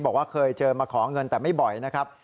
บอกว่าเคยเจอมาขอเงินแต่ไม่บ่อยนะครับ